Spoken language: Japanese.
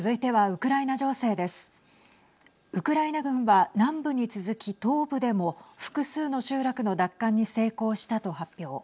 ウクライナ軍は南部に続き東部でも複数の集落の奪還に成功したと発表。